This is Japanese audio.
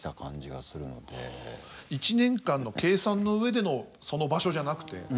１年間の計算の上でのその場所じゃなくて？